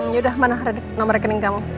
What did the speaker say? yaudah mana nomor rekening kamu